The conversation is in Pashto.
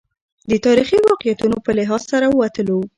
د تاریخي واقعیتونو په لحاظ سره وتلو.